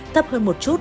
thấp hơn một chút